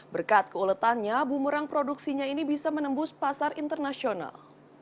berkat keuletannya bumerang produksinya ini bisa menembus pasar internasional